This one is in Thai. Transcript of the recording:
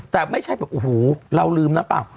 แต่ไม่ใช่แบบโอ้โหเราลืมนะเปล่า